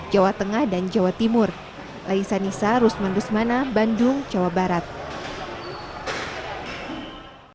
jawa tengah dan jawa timur laisa nisa rusman rusmana bandung jawa barat